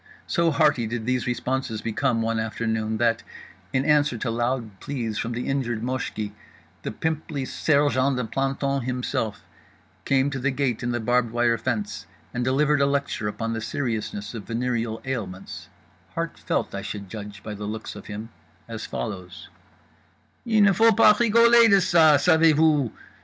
So hearty did these responses become one afternoon that, in answer to loud pleas from the injured Moshki, the pimply sergeant de plantons himself came to the gate in the barbed wire fence and delivered a lecture upon the seriousness of venereal ailments (heart felt, I should judge by the looks of him), as follows: "_Il ne faut pas rigoler de ça. Savez vous?